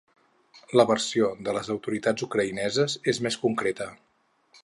La versió de les autoritats ucraïneses és més concreta.